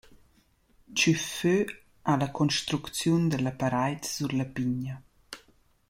Tschüf fö ha la construcziun da la parait sur la pigna.